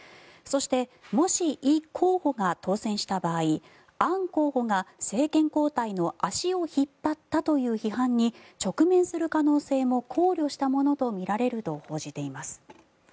そしてもしイ候補が当選した場合アン候補が政権交代の足を引っ張ったという批判に直面する可能性も考慮したものとみられると報じています。